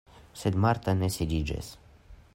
Sed Marta ne sidiĝis.